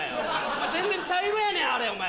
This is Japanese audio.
全然茶色やねんあれお前。